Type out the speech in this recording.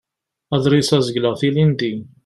Aḍris-a zegleɣ-t ilindi.